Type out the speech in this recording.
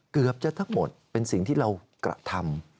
เกือบจะทั้งหมดเป็นสิ่งที่เรากระทำ